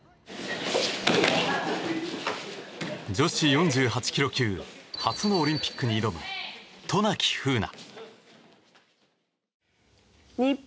女子４８ｋｇ級初のオリンピックに挑む渡名喜風南。